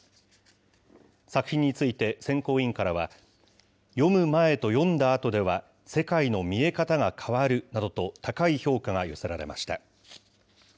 作品について選考委員からは、読む前と読んだあとでは、世界の見え方が変わるなどと、高い評価が寄せられました。